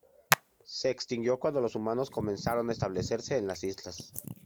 Se extinguió cuando los humanos comenzaron a establecerse en las islas.